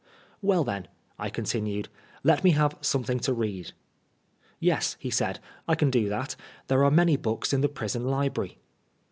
" Well then," I continued, " let me have something to read." "Yes," he said, "I can do that. There are many books in the prison library."